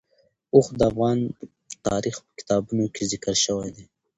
اوښ د افغان تاریخ په کتابونو کې ذکر شوی دي.